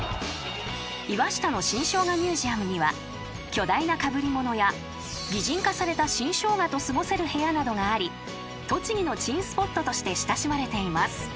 ［岩下の新生姜ミュージアムには巨大なかぶりものや擬人化された新生姜と過ごせる部屋などがあり栃木の珍スポットとして親しまれています］